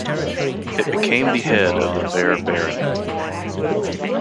It became the head of the Vere barony.